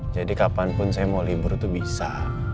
jadi kapanpun saya mau libur itu bisa